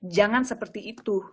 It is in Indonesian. jangan seperti itu